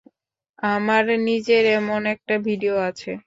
আমার নিজের এমন একটা ভিডিও আছে।